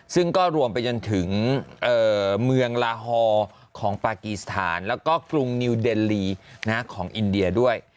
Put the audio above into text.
ซึ่งก็รวมไปจนถึงเมืองลาฮอลของปากีสถานแล้วก็กรุงนิวเดลลีของอินเดียด้วย